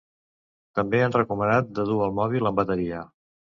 També han recomanat de dur el mòbil amb bateria.